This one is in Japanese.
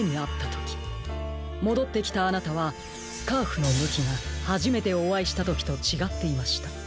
もどってきたあなたはスカーフのむきがはじめておあいしたときとちがっていました。